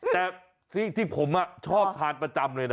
แต่ที่ผมชอบทานประจำเลยนะ